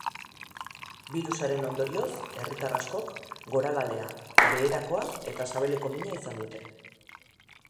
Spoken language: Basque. Birusaren ondorioz herritar askok goragalea, beherakoa eta sabeleko mina izan dute.